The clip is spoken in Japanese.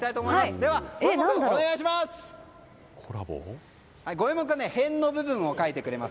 ではゴエモン君、お願いします。